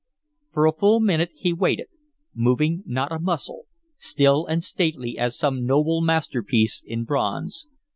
For a full minute he waited, moving not a muscle, still and stately as some noble masterpiece in bronze.